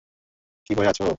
কী পরে আছো?